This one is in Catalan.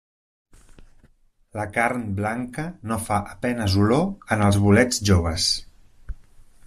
La carn blanca no fa a penes olor en els bolets joves.